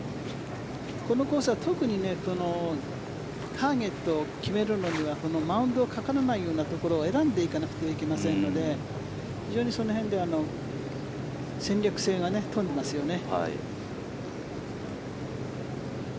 このコースは特にターゲットを決めるのにはこのマウンドにかからないところを選んでいかなくてはいけませんので非常にその辺で戦略性が富んでいますよね。